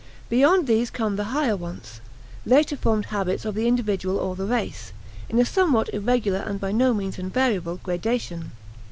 Beyond these come the higher wants later formed habits of the individual or the race in a somewhat irregular and by no means invariable gradation.